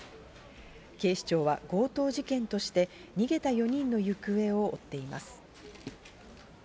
警視庁は強盗事件として逃げた４人の行方を追っています。